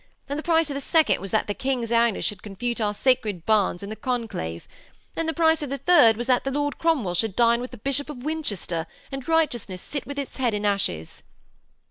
And the price of the second was that the King's Highness should confute our sacred Barnes in the conclave. And the price of the third was that the Lord Cromwell should dine with the Bishop of Winchester and righteousness sit with its head in ashes.'